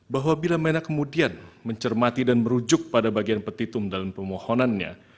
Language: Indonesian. bahwa bila mena kemudian mencermati dan merujuk pada bagian petitum dalam permohonannya